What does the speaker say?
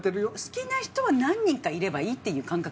好きな人は何人かいればいいっていう感覚ですよね。